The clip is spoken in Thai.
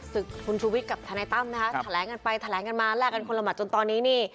ศึกคุณชูวิทย์กับทนายตั้มนะคะแถลงกันไปแถลงกันมาแลกกันคนละหมัดจนตอนนี้นี่